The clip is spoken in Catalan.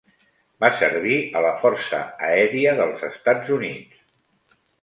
Va servir a la força aèria dels Estats Units.